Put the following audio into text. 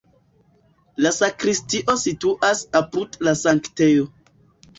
La sakristio situas apud la sanktejo.